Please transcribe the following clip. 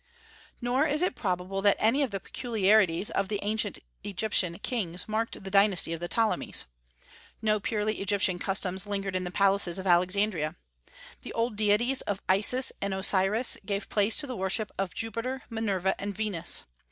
Nor is it probable that any of the peculiarities of the ancient Egyptian kings marked the dynasty of the Ptolemies. No purely Egyptian customs lingered in the palaces of Alexandria. The old deities of Isis and Osiris gave place to the worship of Jupiter, Minerva, and Venus.